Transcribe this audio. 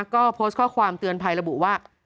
ก็โพสต์ข้อความเตือนภัยระบุว่า